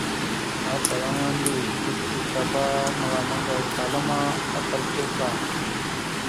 Afalaŋa mbiyez tikeba a məlam maŋgayakala ma, atal tuɓa.